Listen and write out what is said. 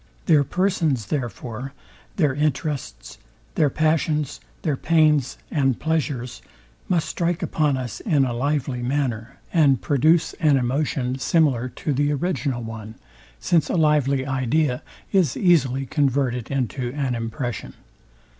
Their persons, therefore, their interests, their passions, their pains and pleasures must strike upon us in a lively manner, and produce an emotion similar to the original one; since a lively idea is easily converted into an impression.